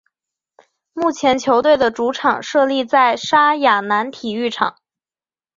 目前球队的主场设立在莎亚南体育场。